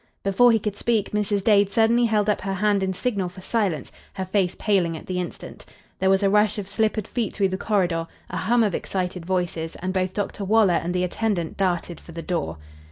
Before he could speak Mrs. Dade suddenly held up her hand in signal for silence, her face paling at the instant. There was a rush of slippered feet through the corridor, a hum of excited voices, and both Dr. Waller and the attendant darted for the door.